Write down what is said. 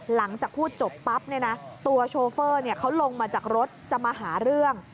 หลังจากพูดจบปั๊บตัวโชเฟอร์เขาลงมาจากรถจะมาหาเรื่อง